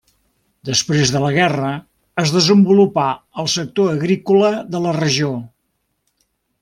Després de la guerra es desenvolupà el sector agrícola de la regió.